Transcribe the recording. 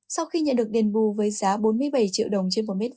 sau khi nhận được đền bù với giá bốn mươi bảy triệu đồng trên một m hai